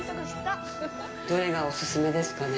どれがお勧めですかね。